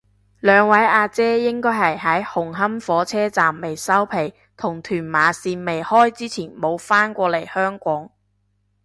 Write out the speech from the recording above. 兩位阿姐應該係喺紅磡火車站未收皮同屯馬綫未開之前冇返過嚟香港